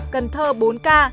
cần thơ bốn ca